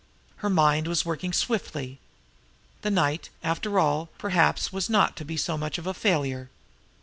Her mind was working swiftly. The night, after all, perhaps, was not to be so much of a failure!